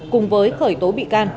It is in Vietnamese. cùng với khởi tố bị can